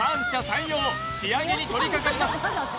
三様仕上げに取りかかります